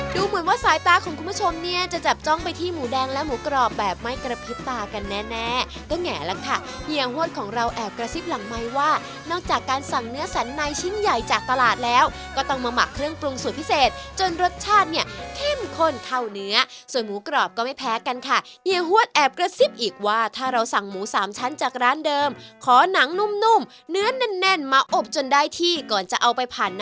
ดูเหมือนว่าสายตาของคุณผู้ชมเนี่ยจะจับจ้องไปที่หมูแดงและหมูกรอบแบบไม่กระพริบตากันแน่แน่ก็แง่แล้วค่ะเฮียหวดของเราแอบกระซิบหลังไมว่านอกจากการสั่งเนื้อสันในชิ้นใหญ่จากตลาดแล้วก็ต้องมาหมักเครื่องปรุงสุดพิเศษจนรสชาติเนี่ยเข้มข้นเข้าเนื้อส่วนหมูกรอบก็ไม่แพ้กันค่ะเฮียหว